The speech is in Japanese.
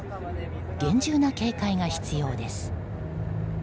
厳重な警戒が必要です。